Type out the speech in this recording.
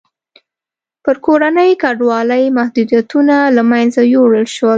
پر کورنۍ کډوالۍ محدودیتونه له منځه یووړل شول.